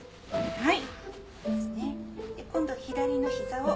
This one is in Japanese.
はい。